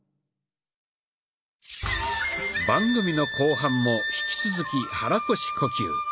番組の後半も引き続き肚腰呼吸。